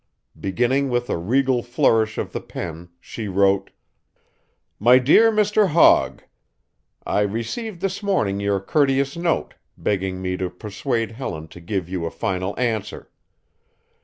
Beginning with a regal flourish of the pen, she wrote: "MY DEAR MR. HOGG: I received this morning your courteous note, begging me to persuade Helen to give you a final answer.